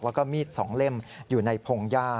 แล้วก็มีด๒เล่มอยู่ในพงหญ้า